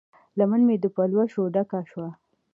لمن مې د پلوشو ډکه شوه